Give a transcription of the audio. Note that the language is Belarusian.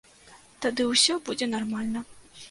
Тады ўсё будзе нармальна.